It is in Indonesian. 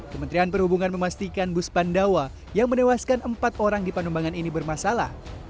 kementerian perhubungan memastikan bus pandawa yang menewaskan empat orang di panumbangan ini bermasalah